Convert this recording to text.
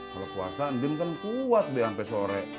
kalau puasa edin kan kuat deh sampe sore